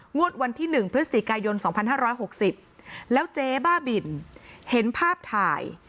งวดวันที่หนึ่งพฤศจิกายนสองพันห้าร้อยหกสิบแล้วเจ๊บ้าบินเห็นภาพถ่าย